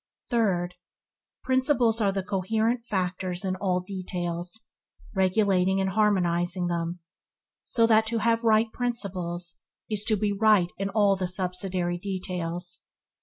Third. Principles are the coherent factors in all details, regulating and harmonizing them, so that to have right principles is to be right in all the subsidiary details.